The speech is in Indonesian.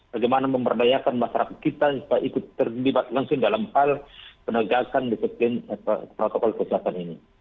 bagaimana memperdayakan masyarakat kita untuk ikut terlibat langsung dalam hal penegakan disiplin protokol kesehatan